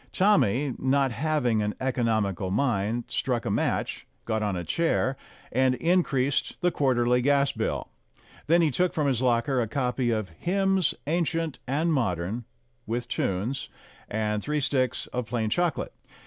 Tommy, not having an economical mind, struck a match, got on a chair, and increased the quarterly gas bill. Then he took from his locker a copy of "Hymns Ancient and Modern," with tunes, and three sticks of plain chocolate.